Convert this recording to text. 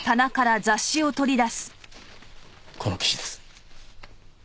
この記事です。